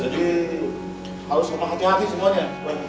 jadi harus kemah hati hati semuanya